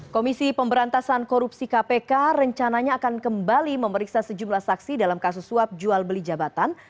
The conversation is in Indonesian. komisi pemberantasan korupsi kpk rencananya akan kembali memeriksa sejumlah saksi dalam kasus suap jual beli jabatan